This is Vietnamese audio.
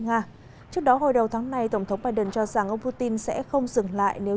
nga trước đó hồi đầu tháng này tổng thống biden cho rằng ông putin sẽ không dừng lại nếu